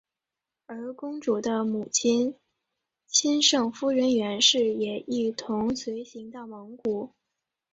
而公主的母亲钦圣夫人袁氏也一同随行到蒙古。